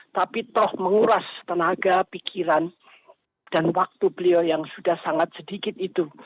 tapi toh menguras tenaga pikiran dan waktu beliau yang sudah sangat sedikit itu